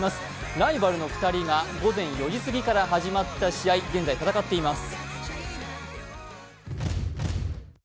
ライバルの２人が午前４時すぎから始まった試合現在戦っています。